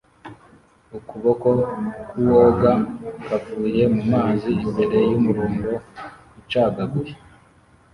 Ukuboko k'uwoga kavuye mumazi imbere mumurongo ucagaguye